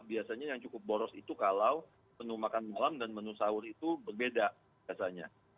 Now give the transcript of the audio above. biasanya yang cukup boros itu kalau menu makan malam dan menu sahur itu berbeda biasanya